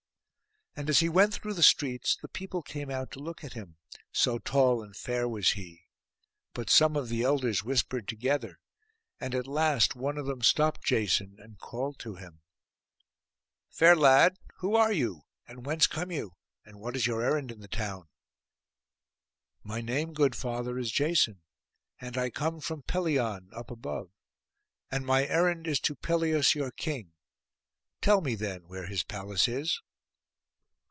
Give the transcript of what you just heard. And as he went through the streets, the people came out to look at him, so tall and fair was he; but some of the elders whispered together; and at last one of them stopped Jason, and called to him, 'Fair lad, who are you, and whence come you; and what is your errand in the town?' 'My name, good father, is Jason, and I come from Pelion up above; and my errand is to Pelias your king; tell me then where his palace is.